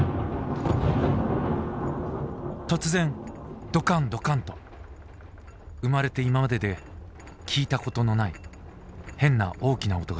「突然ドカンドカンと生まれていままでで聞いたことのない変な大きな音がする。